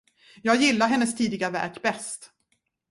Jag gillar hennes tidiga verk bäst.